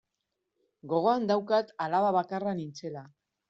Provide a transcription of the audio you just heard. Gogoan daukat alaba bakarra nintzela.